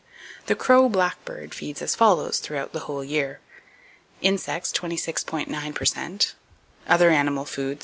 The Crow Blackbird feeds as follows, throughout the whole year: insects, 26.9 per cent; other animal food 3.